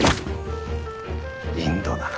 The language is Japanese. インドだな。